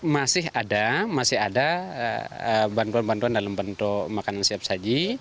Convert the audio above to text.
masih ada masih ada bantuan bantuan dalam bentuk makanan siap saji